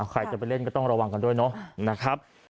ใครจะไปเล่นก็ต้องระวังกันด้วยเนาะนะครับ